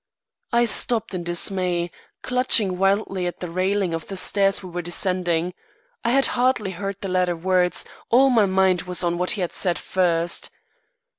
I stopped in dismay, clutching wildly at the railing of the stairs we were descending. I had hardly heard the latter words, all my mind was on what he had said first.